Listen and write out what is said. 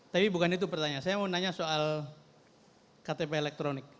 tapi bukan itu pertanyaan saya mau nanya soal ktp elektronik